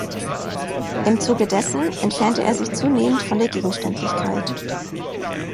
Im Zuge dessen entfernte er sich zunehmend von der Gegenständlichkeit.